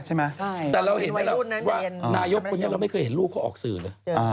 แต่เราเห็นว่านายกปัญญาเราไม่เคยเห็นลูกเขาออกสื่อเลย